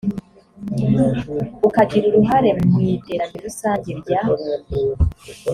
ukagira uruhare mu iterambere rusange rya